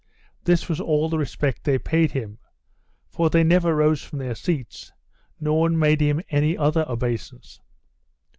This was all the respect they paid him; for they never rose from their seats, nor made him any other obeisance.